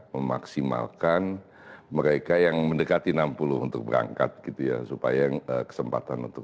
memaksimalkan mereka yang mendekati enam puluh untuk berangkat gitu ya supaya kesempatan untuk